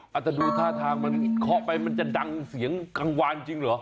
อาจจะดูท่าทางมันเคาะไปมันจะดังเสียงกังวานจริงเหรอ